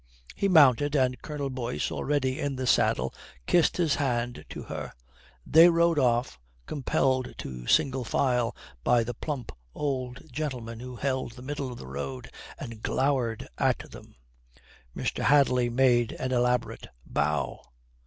He mounted, and Colonel Boyce, already in the saddle, kissed his hand to her. They rode off, compelled to single file by the plump old gentleman who held the middle of the road and glowered at them. Mr. Hadley made an elaborate bow.